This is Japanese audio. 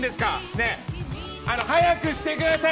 ねえ！早くしてください！